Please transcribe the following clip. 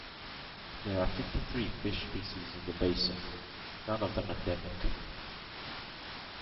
There are fifty-three fish species in the basin, none of them endemic.